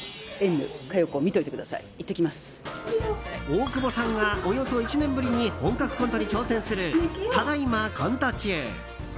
大久保さんがおよそ１年ぶりに本格コントに挑戦する「ただ今、コント中。」。